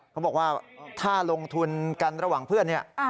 เขาบอกว่าถ้าลงทุนกันระหว่างเพื่อนเนี่ย